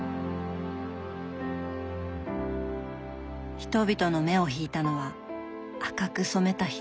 人々の目を引いたのは赤く染めた左手。